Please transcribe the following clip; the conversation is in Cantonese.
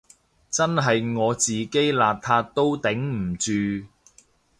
真係我自己邋遢都頂唔住